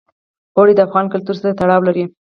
اوړي د افغان کلتور سره تړاو لري.